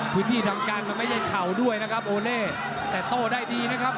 พื้นที่ทำการมันไม่ใช่เข่าด้วยนะครับโอเล่แต่โต้ได้ดีนะครับ